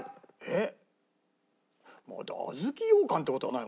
えっ？